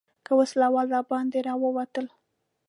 که وسله وال راباندې راووتل.